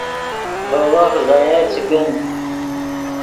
ڤے وخت ضیائع چے کن